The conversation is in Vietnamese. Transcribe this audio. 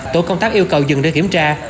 tổ công tác yêu cầu dừng để kiểm tra